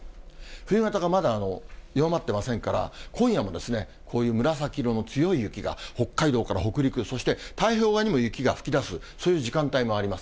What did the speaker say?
冬型がまだ弱まってませんから、今夜もこういう紫色の強い雪が、北海道から北陸、そして太平洋側にも雪が吹き出す、そういう時間帯もあります。